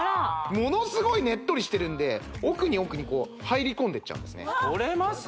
ものすごいねっとりしてるんで奥に奥にこう入り込んでっちゃうんですね取れます？